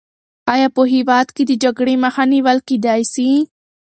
آیا په هېواد کې د جګړې مخه نیول کېدای سي؟